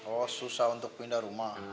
oh susah untuk pindah rumah